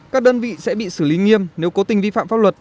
các đơn vị sẽ bị xử lý nghiêm nếu cố tình vi phạm pháp luật